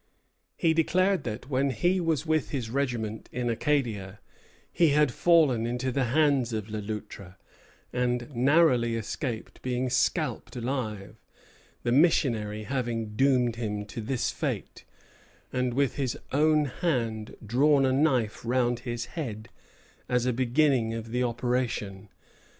He declared that, when he was with his regiment in Acadia, he had fallen into the hands of Le Loutre, and narrowly escaped being scalped alive, the missionary having doomed him to this fate, and with his own hand drawn a knife round his head as a beginning of the operation.